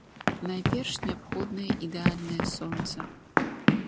Найперш неабходнае ідэальнае сонца.